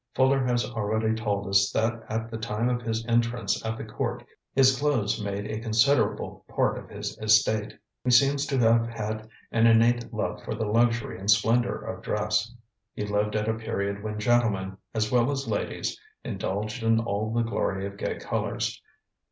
Fuller has already told us that at the time of his entrance at the court his clothes made a 'considerable part of his estate.' He seems to have had an innate love for the luxury and splendour of dress. He lived at a period when gentlemen as well as ladies indulged in all the glory of gay colours.